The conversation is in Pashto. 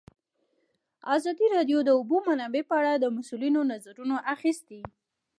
ازادي راډیو د د اوبو منابع په اړه د مسؤلینو نظرونه اخیستي.